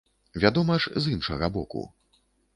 Вядома ж, з іншага боку.